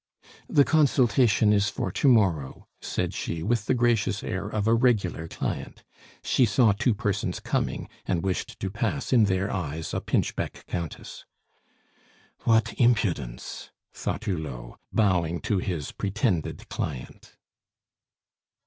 "The consultation is for to morrow!" said she, with the gracious air of a regular client. She saw two persons coming, and wished to pass in their eyes a pinchbeck countess. "What impudence!" thought Hulot, bowing to his pretended client.